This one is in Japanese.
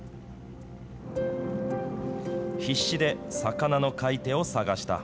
必死で魚の買い手を探した。